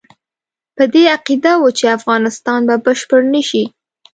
په دې عقیده وو چې افغانستان به بشپړ نه شي.